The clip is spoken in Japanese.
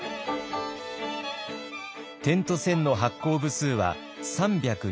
「点と線」の発行部数は３２２万部。